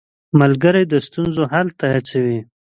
ملګری د ستونزو حل ته هڅوي.